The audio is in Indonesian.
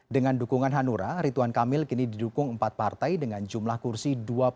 dengan dukungan hanura rituan kamil kini didukung empat partai dengan jumlah kursi dua puluh empat